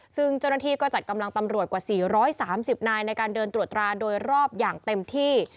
ซึ่งเจ้าหน้าที่ก็จัดกำลังตำรวจกว่า๔๓๐นายในการเดินตรวจตราโดยรอบอย่างเต็มที่